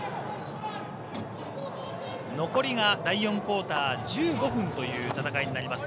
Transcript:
残りが第４クオーター１５分という戦いになります。